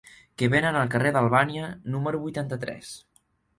Què venen al carrer d'Albània número vuitanta-tres?